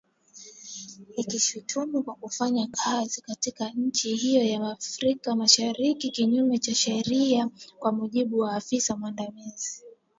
Likilishutumu kwa kufanya kazi katika nchi hiyo ya Afrika Mashariki kinyume cha sheria, kwa mujibu wa afisa mwandamizi